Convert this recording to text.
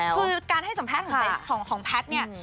เพราะคือการให้สัมพัทย์ของแพทย์เนี่ย